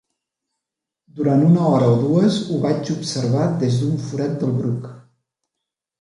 Durant una hora o dues, ho vaig observar des d'un forat del bruc.